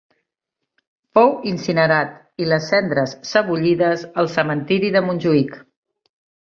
Fou incinerat i les cendres sebollides al Cementiri de Montjuïc.